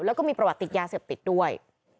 แล้วก็มีประวัติติดยาเสพติดด้วย